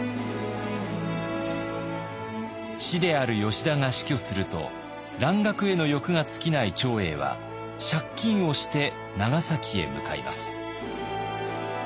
師である吉田が死去すると蘭学への欲が尽きない長英は借金をして長崎へ向かいます。